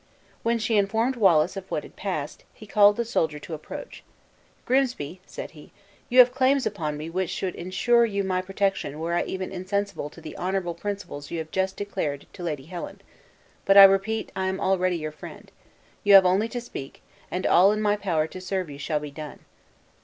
When she informed Wallace of what had passed, he called the soldier to approach. "Grimsby," said he, "you have claims upon me which should insure you my protection were I even insensible to the honorable principles you have just declared to Lady Helen. But, I repeat, I am already your friend. You have only to speak, and all in my power to serve you shall be done."